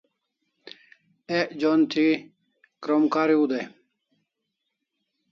Ek jon thi krom kariu dai